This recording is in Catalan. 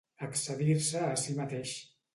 Excedir-se a si mateix.